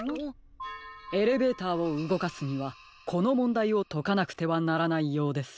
エレベーターをうごかすにはこのもんだいをとかなくてはならないようです。